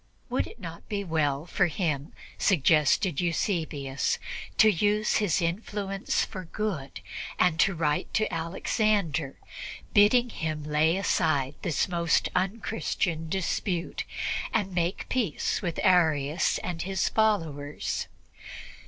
Would it not be well for him, suggested Eusebius, to use his influence for good and to write to Alexander, bidding him lay aside this most unchristian dispute and make peace with Arius and his followers?